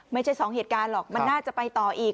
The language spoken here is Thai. ไม่ใช่สองเหตุการณ์หรอกมันน่าจะไปต่ออีก